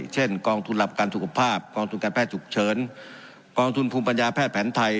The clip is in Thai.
เช่นกองทุนหลักการสุขภาพกองทุนการแพทย์ฉุกเฉินกองทุนภูมิปัญญาแพทย์แผนไทย